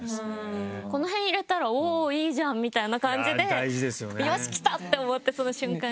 この辺入れたらおぉいいじゃん！みたいな感じでよしきたって思ってその瞬間に。